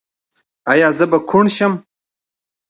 ایا زه به کڼ شم؟